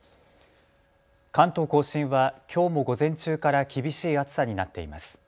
関東甲信はきょうも午前中から厳しい暑さになっています。